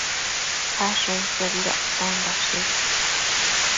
Ashunquiobi dactondashi